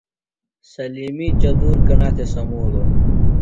سلمی چدۡور کنا تھےۡ سمولو؟